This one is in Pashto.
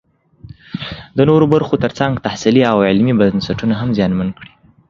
د نورو برخو ترڅنګ تحصیلي او علمي بنسټونه هم زیانمن کړي